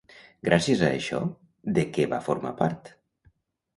Gràcies a això, de què va formar part?